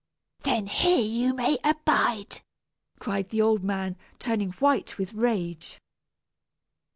"Then here may you abide!" cried the old man, turning white with rage.